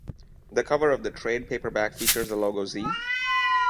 The cover of the trade paperback features the logo Z?